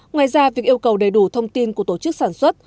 ngoài ra việc yêu cầu đầy đủ thông tin của tổ chức sản xuất